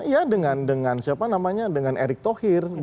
ya dengan siapa namanya dengan erick thohir